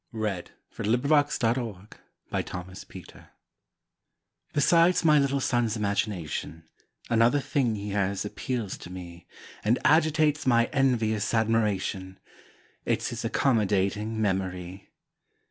HIS MEMORY Besides my little son's imagination, Another thing he has appeals to me And agitates my envious admiration It's his accommodating memory.